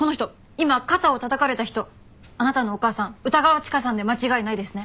今肩をたたかれた人あなたのお母さん歌川チカさんで間違いないですね？